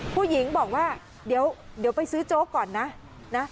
ผู้หญิงบอกว่าเดี๋ยวไปซื้อโจ๊กก่อนนะนะ